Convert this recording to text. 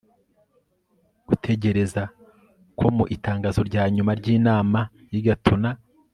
gutegereza ko mu itangazo rya nyuma ry'inama y'i gatuna